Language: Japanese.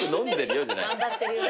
「頑張ってるよ」